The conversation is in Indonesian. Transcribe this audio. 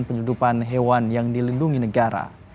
penyeludupan hewan yang dilindungi negara